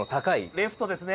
レフトですね。